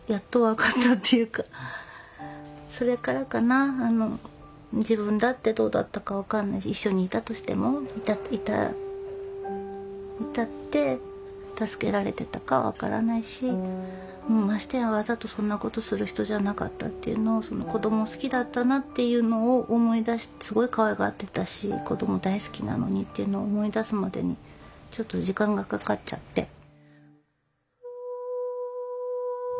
それからかな自分だってどうだったか分かんないし一緒にいたとしてもいたって助けられてたか分からないしましてやわざとそんなことする人じゃなかったっていうのを子ども好きだったなっていうのを思い出してすごいかわいがってたし子ども大好きなのにっていうのを思い出すまでにちょっと時間がかかっちゃって。